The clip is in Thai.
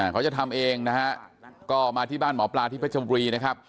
เขาจะทำเองนะฮะก็มาที่บ้านหมอปลาที่เพชรบุรีนะครับ